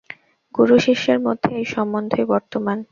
গুরু-শিষ্যের মধ্যে এই সম্বন্ধই বর্তমান।